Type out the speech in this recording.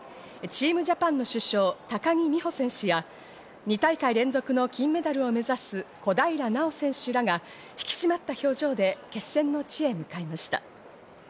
チームジャパンの主将・高木美帆選手や２大会連続の金メダルを目指す小平奈緒選手らが引き締まった表情で決戦の地へ向かいました。